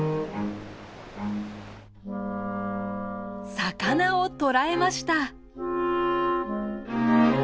魚を捕らえました。